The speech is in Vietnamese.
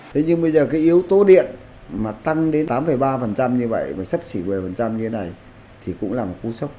thế nhưng bây giờ cái yếu tố điện mà tăng đến tám ba như vậy và sắp chỉ một mươi như thế này thì cũng là một cú sốc